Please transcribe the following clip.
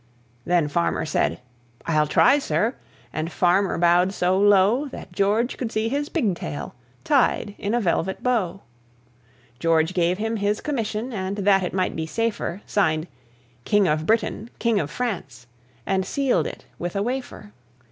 Then Farmer said, "I'll try, sir," and Farmer bowed so low That George could see his pigtail tied in a velvet bow. George gave him his commission, and that it might be safer, Signed "King of Britain, King of France," and sealed it with a wafer.